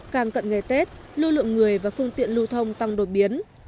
càng cận ngày tết lưu lượng người và phương tiện lưu thông tăng đột biến